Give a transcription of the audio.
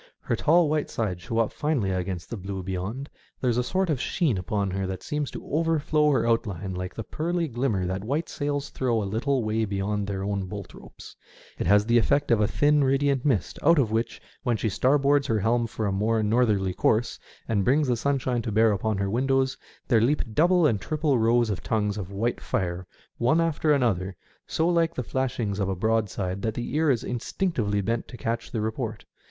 Her tall white sides show up finely against the blue beyond. There is a sort of sheen upon her that seems to overflow her outline like the pearly glimmer that white sails throw a little way beyond their own bolt ropes ; it has the effect of a thin radiant mist, out of which, when she starboards her helm for a more northerly course and brings the sunshine to bear upon her windows, there leap double and triple rows of tongues of white fire one after another, so like the flashings of a broadside that the ear is instinctively bent to catch the report.